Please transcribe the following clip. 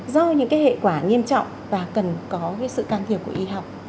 do những cái hệ quả nghiêm trọng và cần có cái sự can thiệp của y học